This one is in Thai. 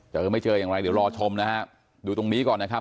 ไม่เจออย่างไรเดี๋ยวรอชมนะฮะดูตรงนี้ก่อนนะครับ